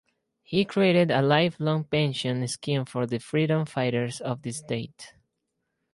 He created a lifelong pension scheme for the freedom fighters of the state.